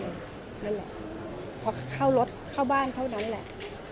นั่นแหละพอเข้ารถเข้าบ้านเท่านั้นแหละ